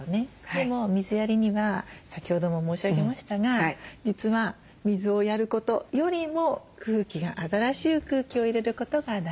でも水やりには先ほども申し上げましたが実は水をやることよりも空気が新しい空気を入れることが大事。